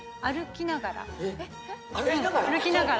えっ歩きながら？